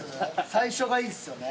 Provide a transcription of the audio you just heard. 最初がいいですよね